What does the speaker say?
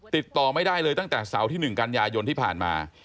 ติดต่อไม่ได้เลยตั้งแต่เสาร์ที่๑กันยายนที่ผ่านมา